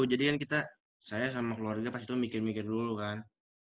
jadi kan kita saya sama keluarga pas itu mikir mikir dulu kan